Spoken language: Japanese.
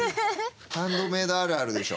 ハンドメイドあるあるでしょ。